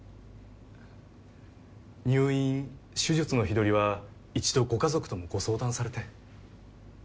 入院手術の日取りは一度ご家族ともご相談されて。